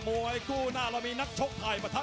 ประโยชน์ทอตอร์จานแสนชัยกับยานิลลาลีนี่ครับ